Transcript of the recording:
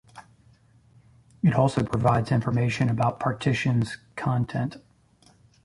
It also provides information about partitions content.